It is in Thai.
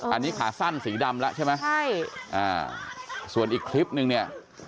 อันนี้ขาสั้นสีดำแล้วใช่ไหมใช่อ่าส่วนอีกคลิปนึงเนี่ย